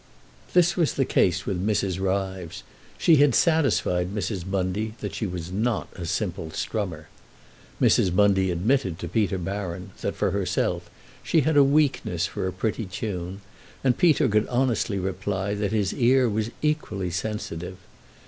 This was the case with Mrs. Ryves; she had satisfied Mrs. Bundy that she was not a simple strummer. Mrs. Bundy admitted to Peter Baron that, for herself, she had a weakness for a pretty tune, and Peter could honestly reply that his ear was equally sensitive.